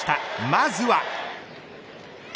まずは。